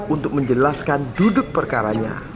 untuk menjelaskan duduk perkaranya